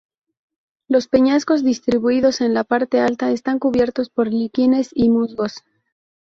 Los peñascos distribuidos en la parte alta están cubiertos por líquenes y musgos.